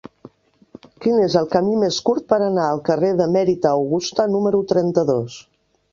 Quin és el camí més curt per anar al carrer d'Emèrita Augusta número trenta-dos?